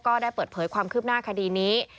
ก็ได้เปิดเผยความคืบหน้าคดีนี้